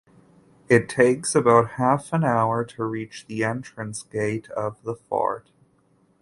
It takes about half an hour to reach the entrance gate of the fort.